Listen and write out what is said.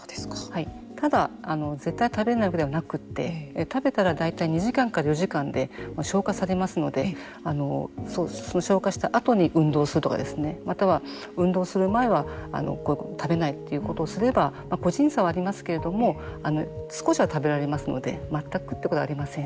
ただ、絶対食べないではなくて食べたら、大体２時間から４時間で消化されますのでその消化したあとに運動するとかまたは運動する前は食べないということをすれば個人差はありますけれども少しは食べられますので全くということはありません。